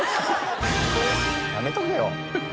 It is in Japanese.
やめとけよ。